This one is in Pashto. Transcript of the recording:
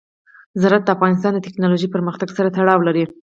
زراعت د افغانستان د تکنالوژۍ پرمختګ سره تړاو لري.